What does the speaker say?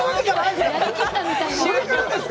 やり切ったみたいな。